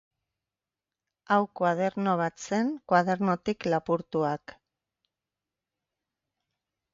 Hau koaderno bat zen koadernotik lapurtuak.